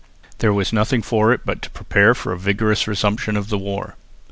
There was nothing for it but to prepare for a vigorous resumption of the war.